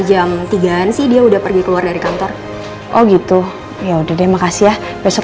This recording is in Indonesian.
jam tiga an sih dia udah pergi keluar dari kantor oh gitu ya udah deh makasih ya besok